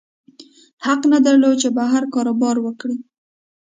حق نه درلود چې بهر کاروبار وکړي.